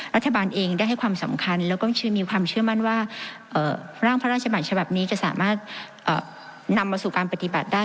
รัฐบาลเองได้ให้ความสำคัญแล้วก็มีความเชื่อมั่นว่าร่างพระราชบัญญัติฉบับนี้จะสามารถนำมาสู่การปฏิบัติได้